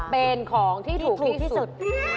เป็นของที่ถูกที่สุด